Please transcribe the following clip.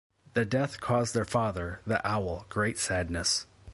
The death caused their father, the owl, great sadness.